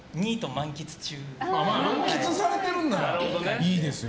満喫されてるならいいですよ。